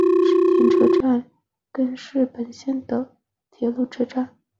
池田车站根室本线的铁路车站。